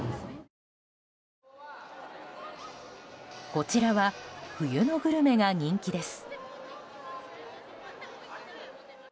こちらは冬のグルメが人気です。